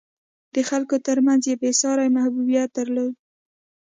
د خلکو ترمنځ یې بېساری محبوبیت درلود.